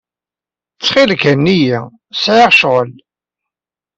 Ttxil-k, henni-iyi. Sɛiɣ ccɣel.